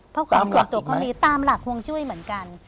เพราะของส่วนตัวเขามีตามหลักฮวงจุ้ยเหมือนกัน